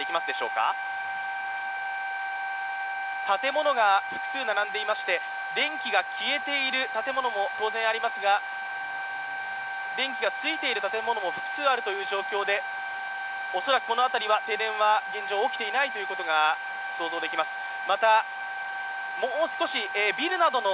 建物が複数並んでいまして、電気が消えている建物も当然ありますが電気がついている建物も複数あるという状況でおそらくこのあたりは停電は、現状起きていないということが想像できます。